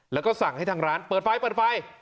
แล้วก็สั่งให้ทางร้านเปิดไฟเปิดไฟ